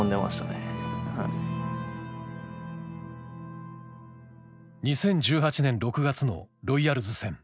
２０１８年６月のロイヤルズ戦。